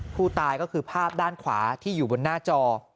ผู้ตายก็คือภาพด้านขวาที่อยู่บนหน้าจอ